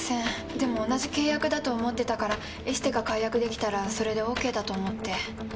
でも同じ契約だと思ってたからエステが解約できたらそれでＯＫだと思って。